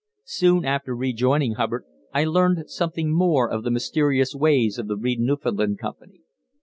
Soon after rejoining Hubbard, I learned something more of the mysterious ways of the Reid Newfoundland Company.